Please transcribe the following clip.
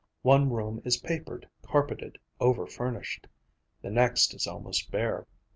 One room is papered, carpeted, over furnished; the next is almost bare.